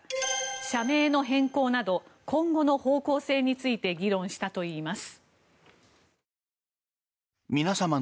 社名の変更など今後の方向性について議論したといいます。